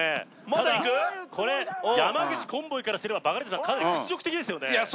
ただこれ山口コンボイからすればバカリズムさんかなり屈辱的ですよねいや